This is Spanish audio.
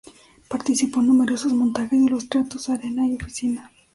Participó en numerosos montajes en los teatros Arena y Oficina.